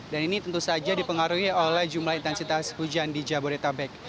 dan ini tentu saja dipengaruhi oleh jumlah intensitas hujan di jabodetabek